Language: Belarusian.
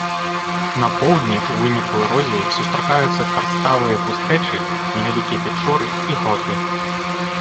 На поўдні ў выніку эрозіі сустракаюцца карставыя пустэчы, невялікія пячоры і гроты.